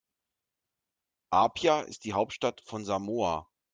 Apia ist die Hauptstadt von Samoa.